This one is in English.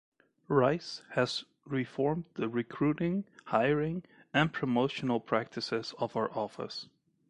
Rice has reformed the recruiting, hiring and promotional practices of her office.